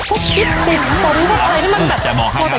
พวกกิ๊บกิ๊บสมพวกอะไรที่มันแบบโคตรแต่กิน